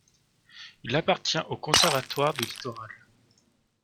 Il appartient au Conservatoire du littoral.